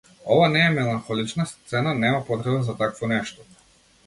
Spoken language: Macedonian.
Ова не е меланхолична сцена, нема потреба за такво нешто.